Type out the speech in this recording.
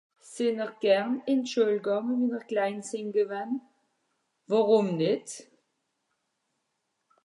Vous aimiez bien aller à l'école quand vous étiez petit ? Pourquoi pas